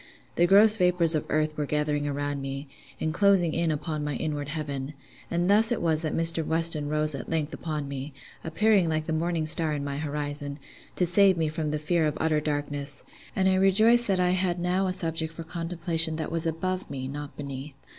The gross vapours of earth were gathering around me, and closing in upon my inward heaven; and thus it was that Mr. Weston rose at length upon me, appearing like the morning star in my horizon, to save me from the fear of utter darkness; and I rejoiced that I had now a subject for contemplation that was above me, not beneath.